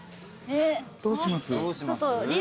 どうします？